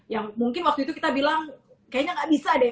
yang mungkin waktu itu kita bilang kayaknya nggak bisa deh